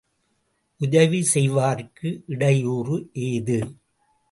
உதவி செய்வாருக்கு இடையூறு ஏது?